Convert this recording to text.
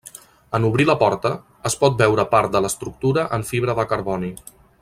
En obrir la porta, es pot veure part de l'estructura en fibra de carboni.